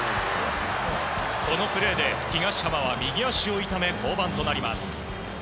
このプレーで東浜は右足を痛め降板となります。